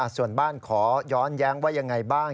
ส่วนบ้านขอย้อนแย้งว่ายังไงบ้าง